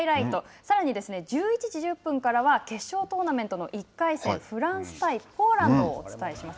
さらに、１１時１０分からは決勝トーナメントの１回戦、フランス対ポーランドをお伝えします。